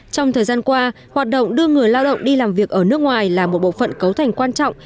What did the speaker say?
trong thời gian qua hoạt động đưa người lao động đi làm việc ở nước ngoài là một bộ phận cấu thành quan trọng